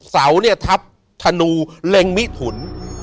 เสาเนี่ยทับธนูเล็งมิถุน